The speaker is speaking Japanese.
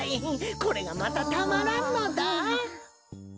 これがまたたまらんのだ。